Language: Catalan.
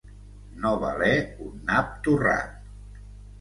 No valer un nap torrat.